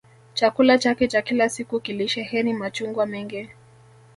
Chakula chake cha kila siku kilisheheni machungwa mengi